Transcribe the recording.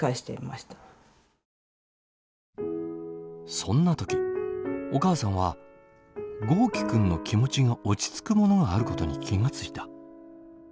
そんな時お母さんは豪輝君の気持ちが落ち着くものがあることに気が付いた。